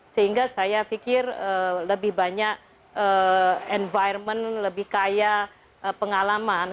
sehingga saya pikir lebih banyak environment lebih kaya pengalaman